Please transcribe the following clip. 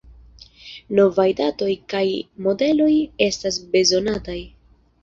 Novaj datoj kaj modeloj estas bezonataj.